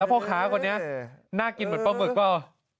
แล้วพ่อค้าก่อนเนี้ยน่ากินเหมือนปลาหมึกหรือเปล่า